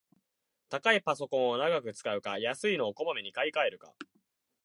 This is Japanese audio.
高いパソコンを長く使うか、安いのをこまめに買いかえるか